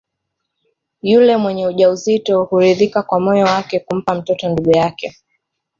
Yule mwenye ujauzito huridhika kwa moyo wake kumpa mtoto ndugu yake